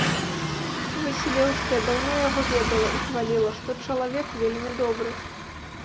Васілеўская даўно яго ведала і хваліла, што чалавек вельмі добры.